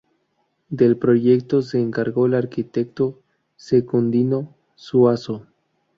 Del proyecto se encargó el arquitecto Secundino Zuazo.